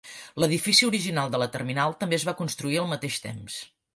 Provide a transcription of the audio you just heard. L"edifici original de la terminal també es va construir al mateix temps.